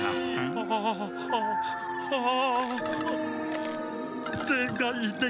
ああああああ！